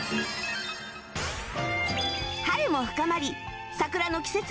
春も深まり桜の季節も終わり